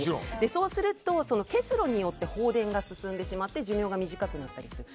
そうすると、結露によって放電が進んでしまって寿命が短くなったりする。